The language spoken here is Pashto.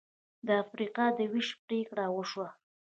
د افریقا د وېش پرېکړه وشوه.